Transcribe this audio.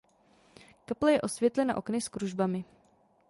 Kaple je osvětlena okny s kružbami.